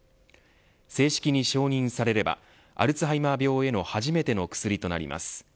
正式に承認されればアルツハイマー病への初めての薬となります。